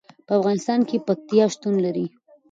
په افغانستان کې پکتیا شتون لري.